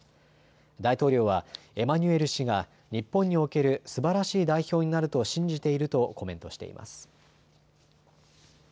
大統領はエマニュエル氏が日本におけるすばらしい代表になると信じているとコメントしています。